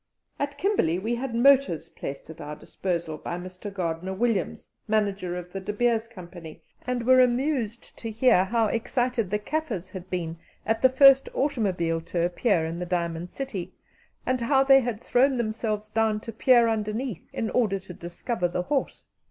At Kimberley we had motors placed at our disposal by Mr. Gardner Williams, manager of the De Beers Company, and were amused to hear how excited the Kaffirs had been at the first automobile to appear in the Diamond City, and how they had thrown themselves down to peer underneath in order to discover the horse.